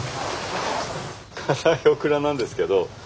固いオクラなんですけど。